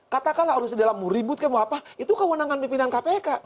katakanlah organisasi dalam ribut mau apa itu kewenangan pimpinan kpk